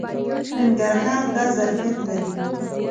ننګرهار دا ظرفیت لري.